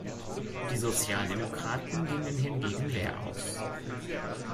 Die Sozialdemokraten gingen hingegen leer aus.